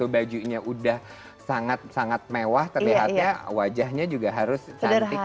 bajunya udah sangat sangat mewah terlihatnya wajahnya juga harus cantik